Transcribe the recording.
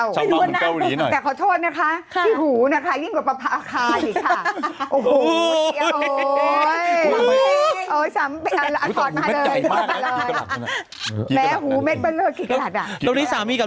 ชำวาวของเกาหลีหน่อยแต่ขอโทษนะคะที่หูนะคะยิ่งกว่าประปาคาดีจ